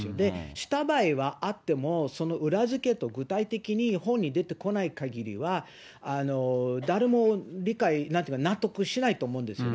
した場合はあっても、その裏付けと具体的にほんに出てこないかぎりは、誰も理解、なんというか納得しないと思うんですよね。